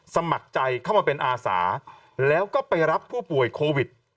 สมัครใจเข้ามาเป็นอาสาแล้วก็ไปรับผู้ป่วยโควิด